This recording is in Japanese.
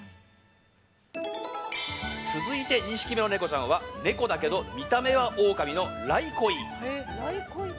続いて２匹目のネコちゃんはネコだけど見た目はオオカミのライコイ。